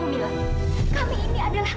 kamu tidak bisa menentukan pilihan kamu